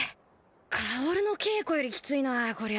薫の稽古よりきついなこりゃあ。